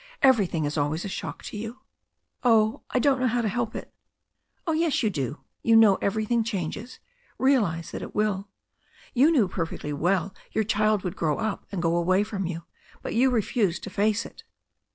Everything is always a shock to you." "I don't know how to help it." "Oh, yes, you do. You know everything changes. Realize that it will. You knew perfectly well your child would grow up and go away from you, but you refused to face it.